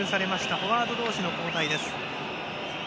フォワード同士の交代です。